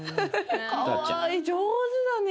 かわいい上手だね